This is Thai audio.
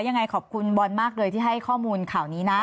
ยังไงขอบคุณบอลมากเลยที่ให้ข้อมูลข่าวนี้นะ